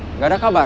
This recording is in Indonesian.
enggak ada kabar